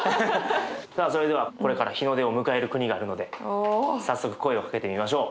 さあそれではこれから日の出を迎える国があるので早速声をかけてみましょう。